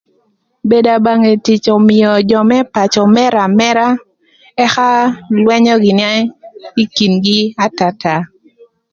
Bedo aböngë tic ömïö jö më pacö mër amëra ëka lwënyö gïnï ï kingï atata.